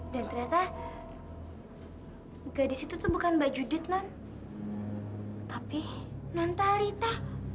dan ternyata gadis itu tuh bukan mbak judit non tapi non tarita